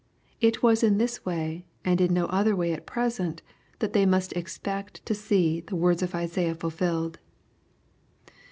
It was in this way, and in no other way at present, that they must expect to see the words of Isaiah fulfilled.